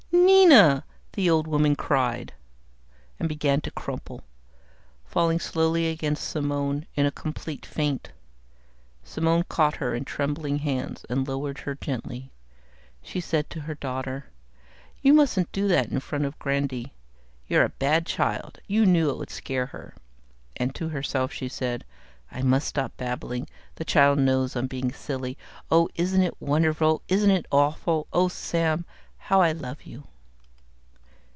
"Nina!" the old woman cried, and began to crumple, falling slowly against Simone in a complete faint. Simone caught her in trembling hands and lowered her gently. She said to her daughter, "You mustn't do that in front of Grandy. You're a bad girl, you knew it would scare her," and to herself she said: I must stop babbling, the child knows I'm being silly. O isn't it wonderful, isn't it awful, O Sam, how I love you.